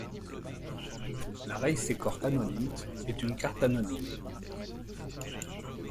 La Rejsekort anonymt, est une carte anonyme.